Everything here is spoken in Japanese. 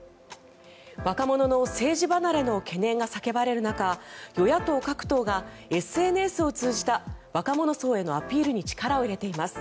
若者の政治離れの懸念が叫ばれる中与野党各党がＳＮＳを通じた若者層へのアピールに力を入れています。